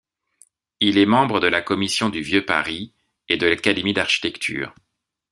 Il est membre de la Commission du Vieux Paris et de l'Académie d'architecture.